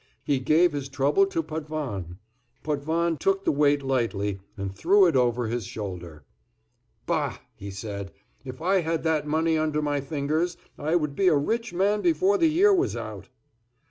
He gave his trouble to Potvin! Potvin took the weight lightly and threw it over his shoulder. "Bah!" he said. "If I had that money under my fingers, I would be a rich man before the year was out."